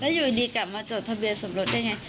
อยู่ดีกลับมาจดทะเบียนสมรสได้ไง